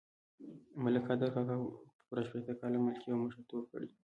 ملک قادر کاکا پوره شپېته کاله ملکي او مشرتوب کړی.